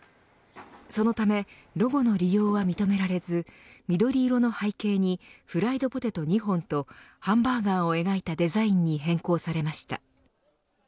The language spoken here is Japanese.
そのためロゴの利用は認められず緑色の背景にフライドポテト２本とハンバーガーを描いたデザインに変更されました。